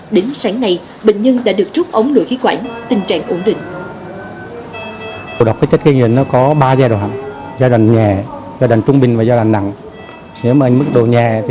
đến sáng nay bệnh nhân đã được trút ống nội khí quản tình trạng ổn định